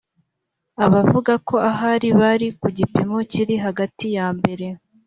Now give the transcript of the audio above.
abavuga ko ahari bari ku gipimo kiri hagati ya mbere